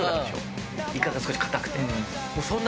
イカが少し硬くて。